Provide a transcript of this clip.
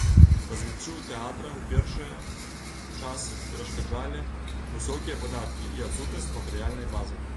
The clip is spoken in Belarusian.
Развіццю тэатра ў першае час перашкаджалі высокія падаткі і адсутнасць матэрыяльнай базы.